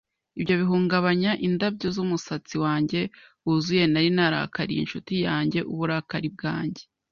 Ibyo bihungabanya indabyo zumusatsi wanjye wuzuye Nari narakariye inshuti yanjye uburakari bwanjye